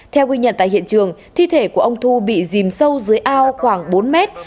theo quy nhận tại hiện trường thi thể của ông thu bị chìm sâu dưới ao khoảng bốn mét